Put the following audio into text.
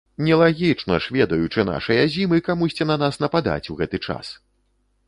Нелагічна ж, ведаючы нашыя зімы, камусьці на нас нападаць у гэты час!